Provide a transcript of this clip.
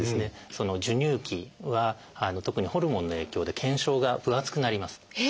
授乳期は特にホルモンの影響で腱鞘が分厚くなります。